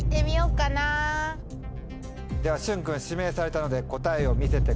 ではしゅん君指名されたので答えを見せてください。